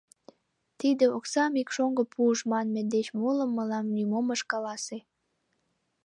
— Тиде оксам ик шоҥго пуыш манме деч молым мылам нимом ыш каласе.